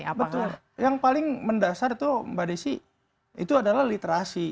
iya betul yang paling mendasar itu mbak desi itu adalah literasi